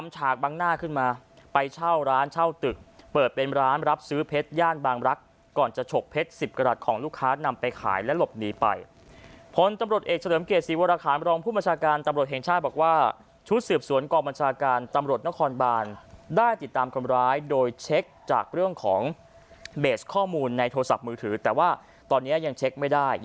ช่วงร้านช่าวตึกเปิดเป็นร้านรับซื้อเพชรย่านบางรักก่อนจะฉกเพชร๑๐กรัตต์ของลูกค้านำไปขายแล้วหลบหนีไปผลตำรวจเอกเฉลิมเกียจสีวราคาประดองผู้มัชการตำรวจแห่งชาติบอกว่าชุดเสือบสวนกองมัชการตำรวจนครบาลได้ติดตามคนร้ายโดยเช็คจากเรื่องของเบสข้อมูลในโทรศัพท์มือถือแต่ว่าตอนนี้